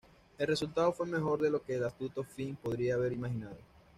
El resultado fue mejor de lo que el astuto Fink podría haber imaginado.